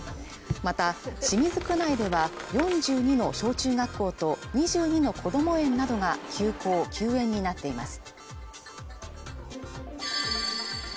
また清水区内では４２の小中学校と２２のこども園などが休校・休園になっています